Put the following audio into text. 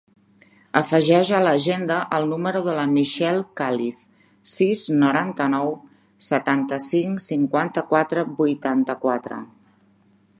Afegeix a l'agenda el número de la Michelle Caliz: sis, noranta-nou, setanta-cinc, cinquanta-quatre, vuitanta-quatre.